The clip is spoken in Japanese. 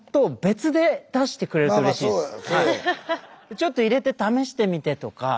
ちょっと入れて試してみてとか。